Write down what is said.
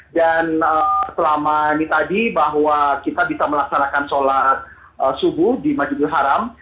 dan selama ini tadi bahwa kita bisa melaksanakan sholat subuh di majidul haram